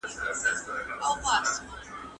په لاس لیکل د ستړیا سره د مبارزې تمرین دی.